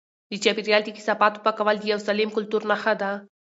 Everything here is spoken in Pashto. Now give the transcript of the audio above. د چاپیریال د کثافاتو پاکول د یو سالم کلتور نښه ده.